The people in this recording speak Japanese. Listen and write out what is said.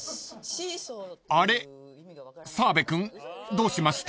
［あれ澤部君どうしました？］